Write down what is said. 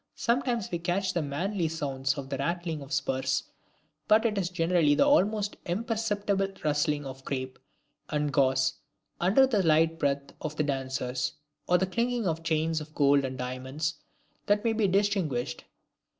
Sometimes we catch the manly sounds of the rattling of spurs, but it is generally the almost imperceptible rustling of crape and gauze under the light breath of the dancers, or the clinking of chains of gold and diamonds, that maybe distinguished.